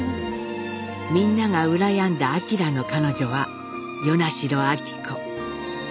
みんなが羨んだ晃の彼女は与那城昭子。